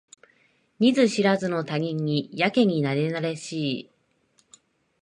見ず知らずの他人にやけになれなれしい